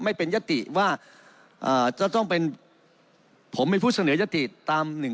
ไม่เป็นยติว่าจะต้องเป็นผมเป็นผู้เสนอยติตาม๑๒